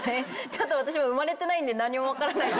ちょっと私も生まれてないんで何も分からない。